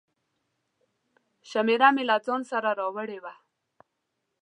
شمېره مې له ځانه سره راوړې وه.